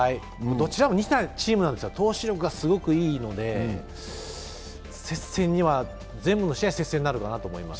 どちらも似たチームなんですよ、投手力がすごくいいので、全部の試合、接戦にはなると思います。